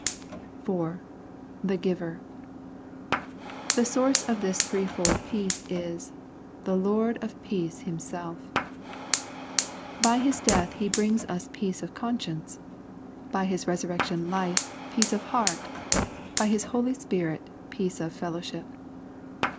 4. The Giver. The source of this threefold peace is " The Lord of 'peace UimseljP By His death He brings us peace of conscience, by His Resurrection life peace of heart, by His Holy Spirit peace of fellowship.